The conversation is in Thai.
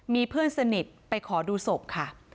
มีเพื่อนสนิทไปขอดูศพค่ะ